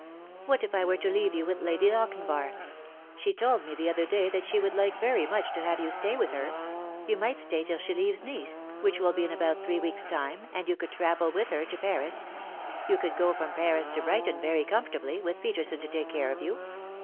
"What if I were to leave you with Lady Lochinvar ? She told me the other day that she would like very much to have you to stay with her. You might stay till she leaves Nice, which will be in about three weeks' time, and you could travel with her to Paris. You could go from Paris to Brighton very comfortably, with Peterson to take care of you.